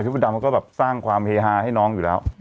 มดดำเขาก็แบบสร้างความเฮฮาให้น้องอยู่แล้ว